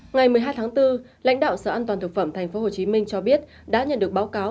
ngày một mươi hai tháng bốn lãnh đạo sở an toàn thực phẩm tp hcm cho biết đã nhận được báo cáo